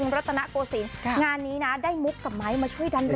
ร้อนยุคหญิงไทย